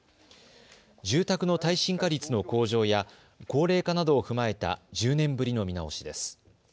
住宅の耐震化率の向上や高齢化などを踏まえた１０年ぶりの見直しです。